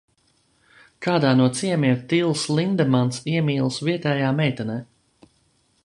Kādā no ciemiem Tils Lindemans iemīlas vietējā meitenē.